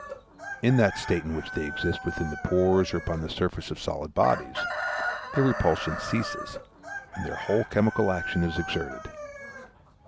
In that state in which they exist within the pores or upon the surface of solid bodies, their repulsion ceases, and their whole chemical action is exerted.